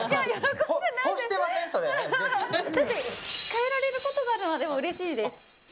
変えられることがあるならうれしいです。